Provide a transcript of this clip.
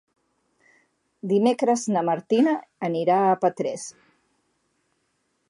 Dimecres na Martina anirà a Petrés.